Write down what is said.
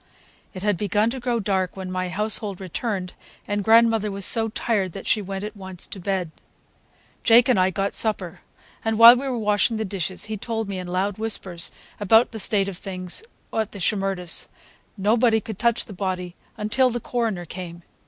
It had begun to grow dark when my household returned, and grandmother was so tired that she went at once to bed. Jake and I got supper, and while we were washing the dishes he told me in loud whispers about the state of things over at the Shimerdas'. Nobody could touch the body until the coroner came.